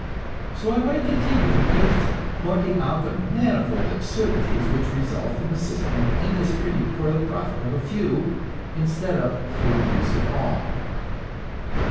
So I might continue for pages, pointing out the manifold absurdities which result from a system of industry for the profit of a few, instead of for the use of all.